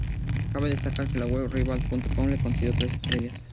Cabe destacar que la web "Rivals.com" le concedió tres estrellas.